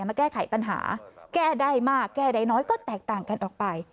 มาแก้ไขปัญหาแก้ได้มากแก้ได้น้อยก็แตกต่างกันออกไป